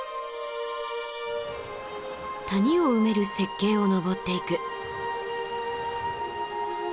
谷を埋める雪渓を登っていく。